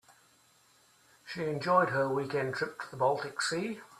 She enjoyed her weekend trip to the baltic sea.